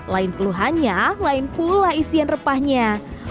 lain keluhannya lain pula isian repahnya